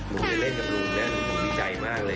ลุงเล่นกับลุงน่ะลุงมีใจมากเลย